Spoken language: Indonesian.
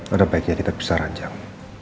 ada baiknya kita bisa ranjang